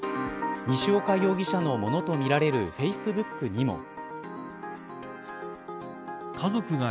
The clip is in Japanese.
西岡容疑者のものとみられるフェイスブックにも。